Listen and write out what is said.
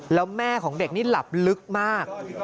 แล้วแม่ของเด็กนี่หลับลึกมาก